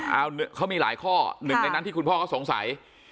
เอาเขามีหลายข้อหนึ่งในนั้นที่คุณพ่อเขาสงสัย